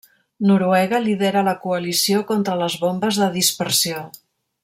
Noruega lidera la Coalició contra les Bombes de Dispersió.